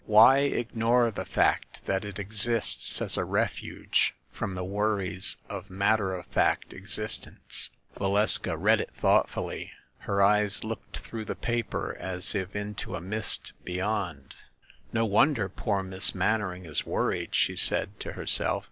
Why ignore the fact that it exists as a refuge from the worries of matter of fact existence ‚ÄĒ " Valeska read it thoughtfully. Her eyes looked through the paper as if into a mist beyond. "No won der poor Miss Mannering is worried !" she said to her self.